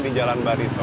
di jalan barito